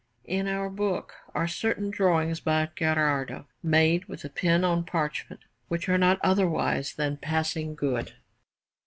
In our book are certain drawings by Gherardo, made with the pen on parchment, which are not otherwise than passing good.